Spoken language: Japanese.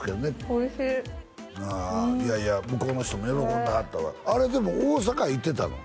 おいしいおいしいああいやいや向こうの人も喜んではったわあれでも大阪行ってたの？